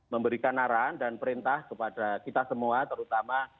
memberikan arahan dan perintah kepada kita semua terutama